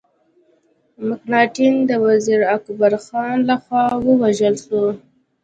مکناټن د وزیر اکبر خان له خوا ووژل سو.